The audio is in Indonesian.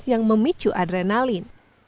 yang memicu adrenalin